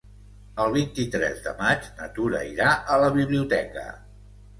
El vint-i-tres de maig na Tura irà a la biblioteca.